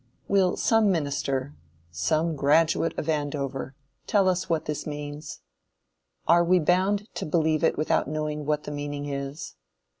Will some minister, some graduate of Andover, tell us what this means? Are we bound to believe it without knowing what the meaning is?